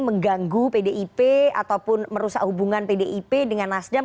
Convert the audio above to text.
mengganggu pdip ataupun merusak hubungan pdip dengan nasdem